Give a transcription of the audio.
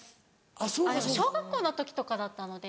あっでも小学校の時とかだったので。